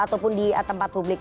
ataupun di tempat publik